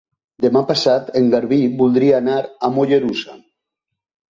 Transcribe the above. Demà passat en Garbí voldria anar a Mollerussa.